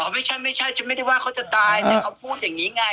ไม่ใช่ไม่ใช่ฉันไม่ได้ว่าเขาจะตายแต่เขาพูดอย่างนี้ไง